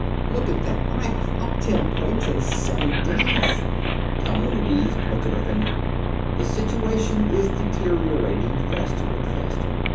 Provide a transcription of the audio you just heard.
"Look at that graph up ten points in seven days!" Talmonides pointed a finger. "The situation is deteriorating faster and faster.